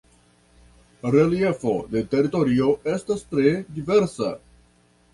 Reliefo de teritorio estas tre diversa.